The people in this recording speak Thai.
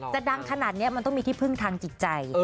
ดังขนาดนี้มันต้องมีที่พึ่งทางจิตใจ